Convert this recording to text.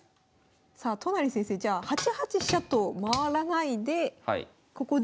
さあ都成先生じゃあ８八飛車と回らないでここで。